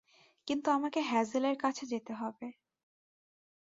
কিন্তু আমাকে হ্যাজেলের কাছে যেতে হবে!